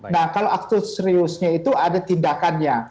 nah kalau aktus riusnya itu ada tindakannya